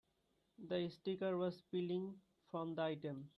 The sticker was peeling from the item.